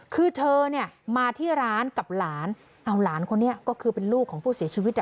คือเธอเนี่ยมาที่ร้านกับหลานเอาหลานคนนี้ก็คือเป็นลูกของผู้เสียชีวิต